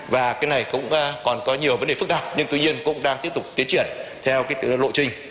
và cái này cũng còn có nhiều vấn đề phức tạp nhưng tuy nhiên cũng đang tiếp tục tiến triển theo cái lộ trình